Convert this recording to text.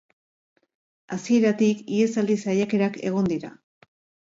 Hasieratik ihesaldi saiakerak egon dira.